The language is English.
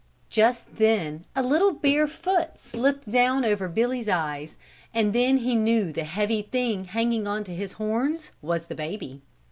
Just then a little bare foot slipped down over Billy's eyes and then he knew the heavy thing hanging to his horns was the baby.